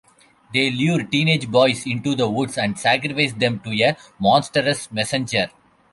They lure teenage boys into the woods and sacrifice them to a monstrous messenger.